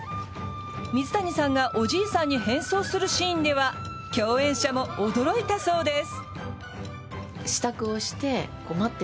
水谷さんがおじいさんに変装するシーンでは共演者も驚いたそうです。